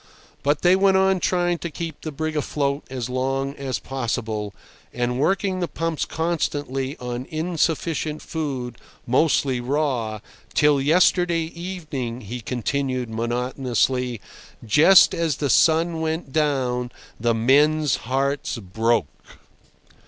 But they went on trying to keep the brig afloat as long as possible, and working the pumps constantly on insufficient food, mostly raw, till "yesterday evening," he continued monotonously, "just as the sun went down, the men's hearts broke."